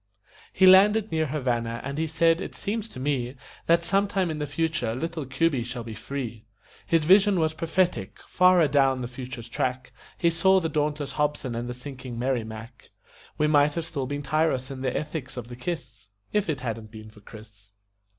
He landed near Havana, and he said: "It seems to me That sometime in the future little Cuby shall be free." His vision was prophetic far adown the future's track He saw the dauntless Hobson and the sinking Merrimac. We might have still been tyros in the ethics of the kiss If it hadn't been for Chris.